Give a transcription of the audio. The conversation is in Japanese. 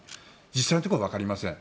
実際のところはわかりません。